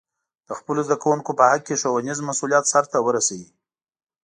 د خپلو زده کوونکو په حق کې ښوونیز مسؤلیت سرته ورسوي.